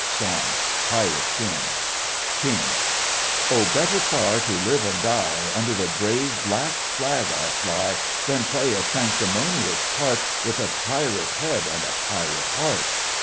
SONG — PIRATE KING KING: Oh, better far to live and die Under the brave black flag I fly, Than play a sanctimonious part With a pirate head and a pirate heart.